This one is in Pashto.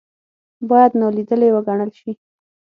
باید نا لیدلې وګڼل شي.